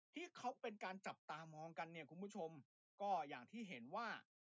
ที่เขาเป็นการจับตามองกันเนี่ยคุณผู้ชมแล้วก็อย่างที่เห็นว่า